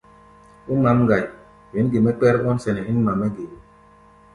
Ó ŋmǎʼm ŋgai, wɛ̌n ge mɛ́ kpɛ́r ɓɔ́nsɛnɛ́ ín ŋma-mɛ́ ge?